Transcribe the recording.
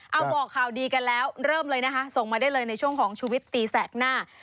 เอาบอกข่าวดีกันแล้วเริ่มเลยนะคะส่งมาได้เลยในช่วงของชุวิตตีแสกหน้า